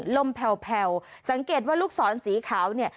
ลมแผลวแผลวสังเกตว่าลูกศรสีขาวเนี่ย